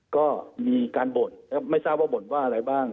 ก็มีการบ่นครับไม่ทราบว่าบ่นว่าอะไรบ้าง